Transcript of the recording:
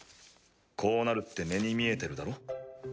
こうなるって目に見えてるだろ？